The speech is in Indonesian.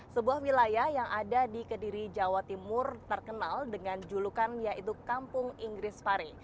sebuah wilayah yang ada di kediri jawa timur terkenal dengan julukan yaitu kampung inggris pare